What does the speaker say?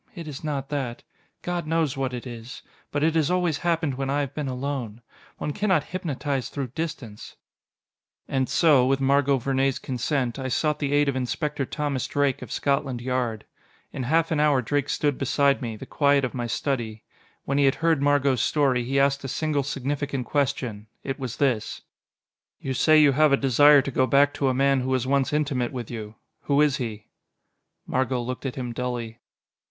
It is not that. God knows what it is. But it has always happened when I have been alone. One cannot hypnotise through distance...." And so, with Margot Vernee's consent, I sought the aid of Inspector Thomas Drake, of Scotland Yard. In half an hour Drake stood beside me, in the quiet of my study. When he had heard Margot's story, he asked a single significant question. It was this: "You say you have a desire to go back to a man who was once intimate with you. Who is he?" Margot looked at him dully.